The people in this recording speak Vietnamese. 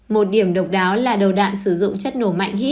một điểm độc đáo là đầu đạn sử dụng chất nổ mạnh